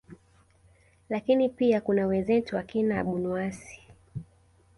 lakini pia kuna wenzetu wakina abunuasi